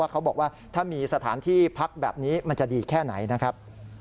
เขาบอกว่าถ้ามีสถานที่พักแบบนี้มันจะดีแค่ไหนนะครับ